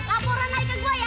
laporan lagi ke gue ya